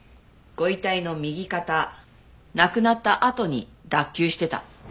ご遺体の右肩亡くなったあとに脱臼してた。